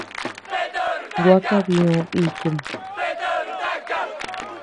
Gua kabiö bikum.